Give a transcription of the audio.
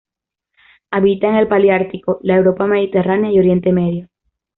Habita en el paleártico: la Europa mediterránea y Oriente Medio.